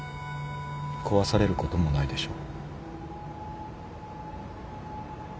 壊されることもないでしょ。